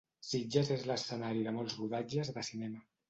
Sitges és l'escenari de molts rodatges de cinema.